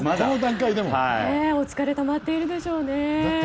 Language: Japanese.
お疲れたまっているでしょうね。